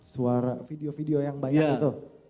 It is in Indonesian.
suara video video yang banyak itu